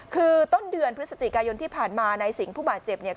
คือต้นเดือนพฤศจิกายนที่ผ่านมานายสิงห์ผู้บาดเจ็บเนี่ย